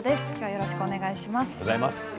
よろしくお願いします。